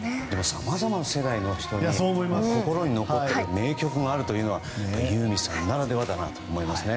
さまざまな世代の人の心に残っている名曲があるというのはユーミンさんならではだなと思います。